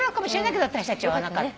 私たちは遭わなかった。